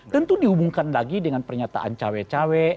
tentu dihubungkan lagi dengan pernyataan cewek cewek